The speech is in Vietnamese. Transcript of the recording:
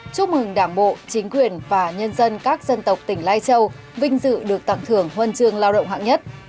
chúc mừng đảng bộ chính quyền và nhân dân các dân tộc tỉnh lai châu vinh dự được tặng thưởng huân chương lao động hạng nhất